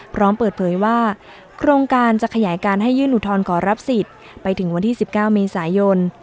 พร้อมเปิดเผยว่าโครงการจะขยายการให้ยื่นอุทธรณ์ขอรับสิทธิ์ไปถึงวันที่๑๙เมษายน